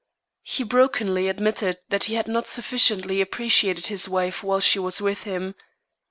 He brokenly admitted that he had not sufficiently appreciated his wife while she was with him.